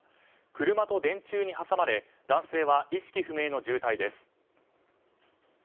車と電柱に挟まれ男性は意識不明の重体です。